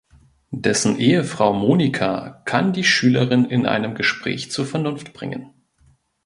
Dessen Ehefrau Monika kann die Schülerin in einem Gespräch zur Vernunft bringen.